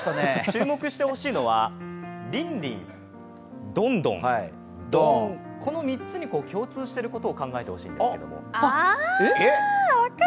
注目してほしいのは、リンリン、ドンドン、ドーン、この３つに共通していることを考えてほしいんですけれども。